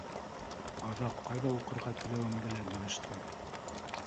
Аҙаҡ ҡайҙа уҡырға теләүемде лә белеште.